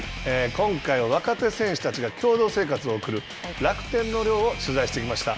今回は選手たちが共同生活を送る楽天の寮を取材してきました。